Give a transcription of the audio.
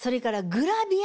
グラビア。